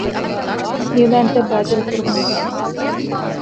އިޢުލާންތައް ބާތިލްކުރުމާއި ބެހޭ